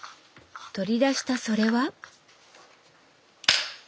取り出したそれは？